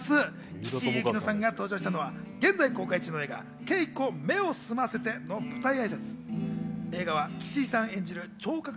岸井ゆきのさんが登場したのは、現在公開中の映画『ケイコ目を澄ませて』の舞台挨拶映画は岸井さん演じる